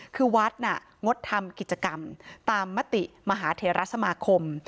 คือวัดน่ะงดทำกิจกรรมตามมติมหาเทรสมาคม